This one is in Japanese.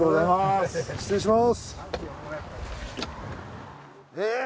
失礼します。